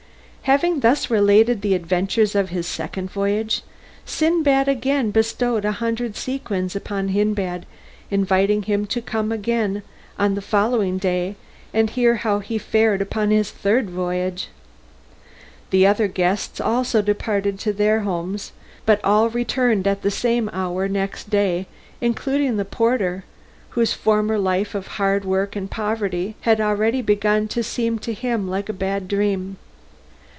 Having thus related the adventures of his second voyage, Sindbad again bestowed a hundred sequins upon Hindbad, inviting him to come again on the following day and hear how he fared upon his third voyage. The other guests also departed to their homes, but all returned at the same hour next day, including the porter, whose former life of hard work and poverty had already begun to seem to him like a bad dream.